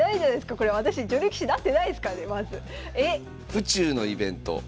府中のイベント。